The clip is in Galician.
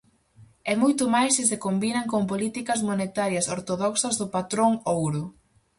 E moito máis se se combinan con políticas monetarias ortodoxas do patrón ouro.